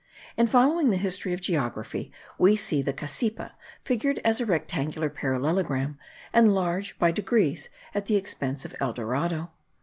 In following the history of geography we see the Cassipa, figured as a rectangular parallelogram, enlarge by degrees at the expense of El Dorado.